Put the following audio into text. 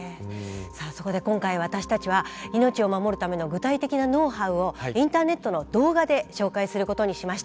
さあそこで今回私たちは命を守るための具体的なノウハウをインターネットの動画で紹介することにしました。